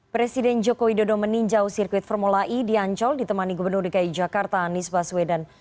presiden joko widodo meninjau sirkuit formula e di ancol ditemani gubernur dki jakarta anies baswedan